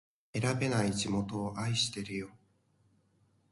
選べない地元を愛してるよ